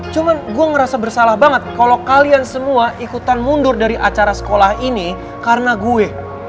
cuma gue ngerasa bersalah banget kalau kalian semua ikutan mundur dari acara sekolah ini karena gue